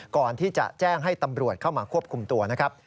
ก่อนที่จะแจ้งให้ตำรวจเข้ามาควบคุมตัวนะครับ